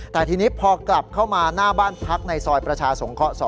แต่ทีนี้พอกลับเข้ามาหน้าบ้านพักในซอยประชาสงเคราะห์๒